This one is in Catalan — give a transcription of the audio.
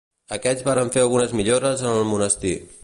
Aquests varen fer algunes millores en el monestir.